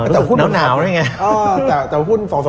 อ๋อรู้สึกเหนานึงไง